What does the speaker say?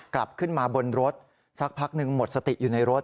กลับขึ้นมาบนรถสักพักหนึ่งหมดสติอยู่ในรถ